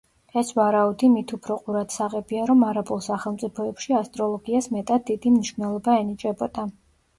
ეს ვარაუდი მით უფრო ყურადსაღებია, რომ არაბულ სახელმწიფოებში ასტროლოგიას მეტად დიდი მნიშვნელობა ენიჭებოდა.